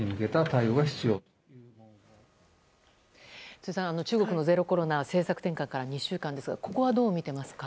辻さん、中国のゼロコロナ政策転換から２週間ですがここはどう見ていますか？